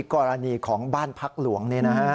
กรณีของบ้านพักหลวง